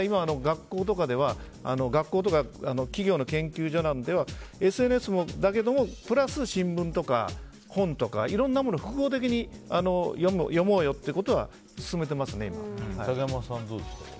今、学校とか企業の研究所などではＳＮＳだけどプラス新聞とか本とかいろんなものを複合的に読もうよということは竹山さん、どうですか？